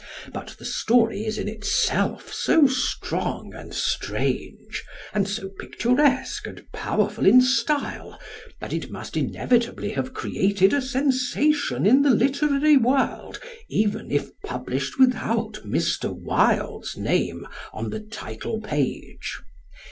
But the story is in itself so strong and strange, and so picturesque and powerful in style, that it must inevitably have created a sensation in the literary world, even if published without Mr. Wilde's name on the title page.